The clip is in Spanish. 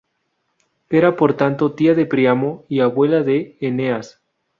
Era por tanto tía de Príamo y abuela de Eneas.